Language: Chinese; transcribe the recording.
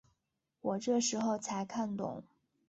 我这时候才看懂